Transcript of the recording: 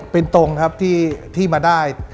เป็นตรงครับที่มาได้